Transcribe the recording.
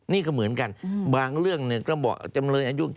นี่ก็เหมือนกันบางเรื่องก็บอกจำเลยอายุ